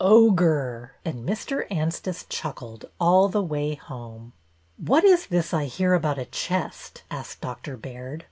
Ogre !" and Mr. Anstice chuckled all the way home. "What is this I hear about a chest?" asked Dr. Baird.